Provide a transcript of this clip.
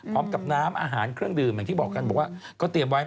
พร้อมกับน้ำอาหารเครื่องดื่มอย่างที่บอกกันบอกว่าก็เตรียมไว้